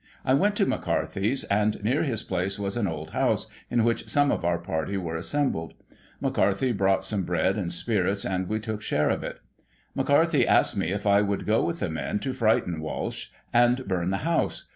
I went to McCarthy's, and near his place was an 'old house, in which some of our party were assembled. McCarthy brought some bread and spirits, and we took share of it. McCarthy asked me if I would go with the men to frighten Walsh, and burn the house.